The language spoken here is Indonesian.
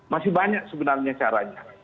masih banyak sebenarnya caranya